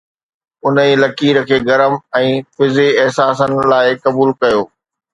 انهي لڪير کي گرم ۽ فزي احساسن لاءِ قبول ڪيو